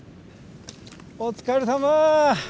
お疲れさま！